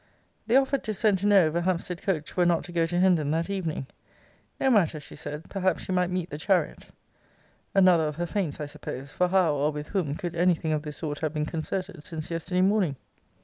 'They offered to send to know if a Hampstead coach were not to go to Hendon that evening. 'No matter, she said perhaps she might meet the chariot.' Another of her feints, I suppose: for how, or with whom, could any thing of this sort have been concerted since yesterday morning?